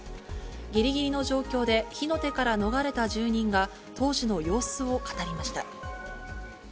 ぎりぎりの状況で、火の手から逃れた住人が、当時の様子を語りました。